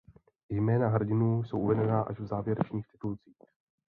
Jména hrdinů jsou uvedena až v závěrečných titulcích.